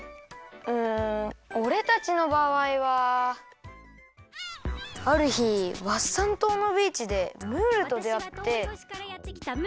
うんおれたちのばあいはあるひワッサン島のビーチでムールとであって。